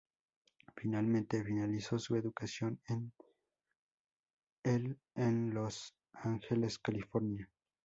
Finalmente finalizó su educación en el en Los Ángeles, California.